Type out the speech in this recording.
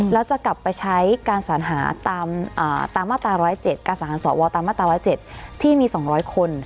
แล้วจะกลับไปใช้การสาหารสวตรมาตรา๒๐๗ที่มี๒๐๐คน